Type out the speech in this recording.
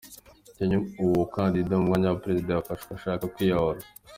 Kenya: Umukandida ku mwanya wa perezida yafashwe ashaka kwiyahura.